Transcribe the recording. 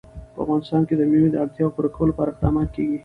په افغانستان کې د مېوې د اړتیاوو پوره کولو لپاره اقدامات کېږي.